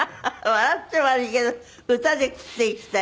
笑っちゃ悪いけど「歌で食っていきたい」。